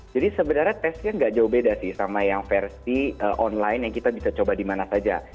jadi sebenarnya testnya nggak jauh beda sih sama yang versi online yang kita bisa coba di mana saja